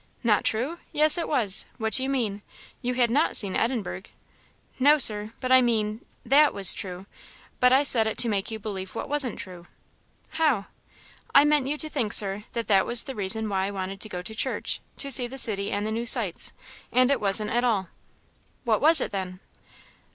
"Not true? Yes, it was; what do you mean? you had not seen Edinburgh." "No, Sir; but I mean that was true; but I said it to make you believe what wasn't true." "How?" "I meant you to think, Sir, that that was the reason why I wanted to go to church to see the city and the new sights; and it wasn't at all." "What was it then?"